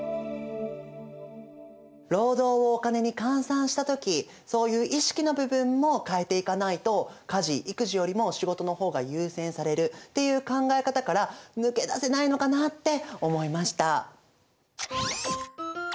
労働をお金に換算した時そういう意識の部分も変えていかないと家事・育児よりも仕事の方が優先されるっていう考え方から抜け出せないのかなって思いました。